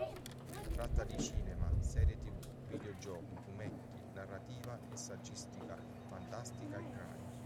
Tratta di cinema, serie tv, videogiochi, fumetti, narrativa e saggistica, fantastica e crime.